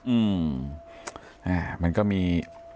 อืมอ่ามันก็มี